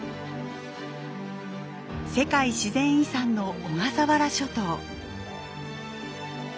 世界自然遺産の小笠原諸島。